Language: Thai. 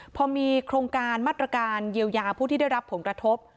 พอมีโครงการมาตรการเยียวยาผู้ที่ได้รับผลกระทบ